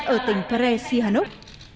ở tỉnh kare siharnuk